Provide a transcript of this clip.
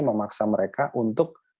memaksa mereka untuk